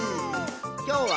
きょうは。